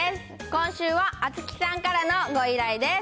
今週はあつきさんからのご依頼です。